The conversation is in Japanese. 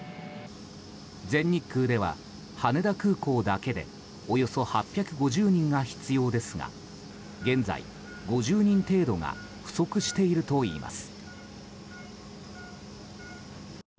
全日空では、羽田空港だけでおよそ８５０人が必要ですが現在５０人程度が不足しているといいます。